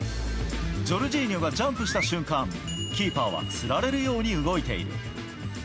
ジョルジーニョがジャンプした瞬間、キーパーは釣られるように動いている。